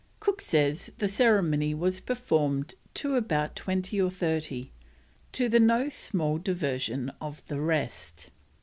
Cook says the "ceremony was performed to about twenty or thirty, to the no small diversion of the rest."